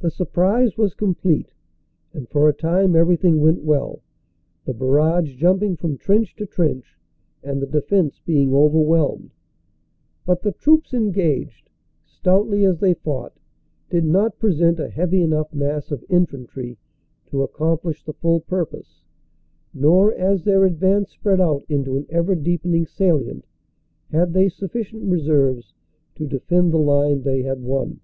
The surprise was complete, and for a time everything went well, the barrage jumping from trench to trench and the de fense being overwhelmed. But the troops engaged, stoutly as they fought, did not present a heavy enough mass of infantry to accomplish the full purpose; nor, as their advance spread out into an ever deepening salient, had they sufficient reserves to defend the line they had won.